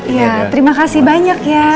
ya terima kasih banyak ya